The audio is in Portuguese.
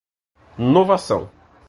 novação